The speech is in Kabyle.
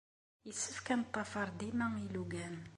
Yessefk ad neḍḍafar dima ilugan.